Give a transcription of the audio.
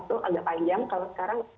itu agak panjang kalau sekarang